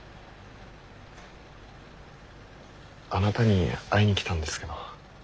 あなたに会いに来たんですけど。